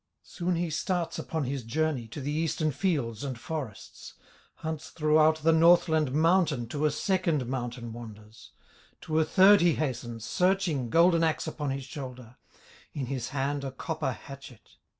Quick he starts upon his journey To the eastern fields and forests, Hunts throughout the Northland mountain To a second mountain wanders, To a third he hastens, searching, Golden axe upon his shoulder, In his hand a copper hatchet.